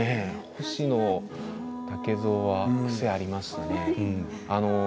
星野武蔵は癖がありましたね。